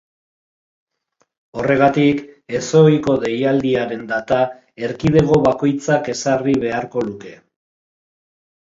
Horregatik, ezohiko deialdiaren data erkidego bakoitzak ezarri beharko luke.